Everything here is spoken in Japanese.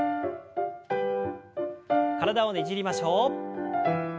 体をねじりましょう。